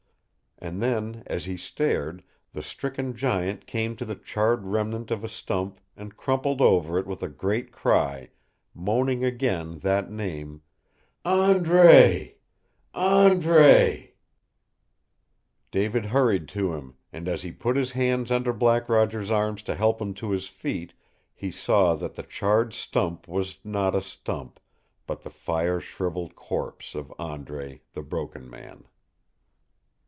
And then, as he stared, the stricken giant came to the charred remnant of a stump and crumpled over it with a great cry, moaning again that name "Andre Andre " David hurried to him, and as he put his hands under Black Roger's arms to help him to his feet, he saw that the charred stump was not a stump, but the fire shriveled corpse of Andre, the Broken Man!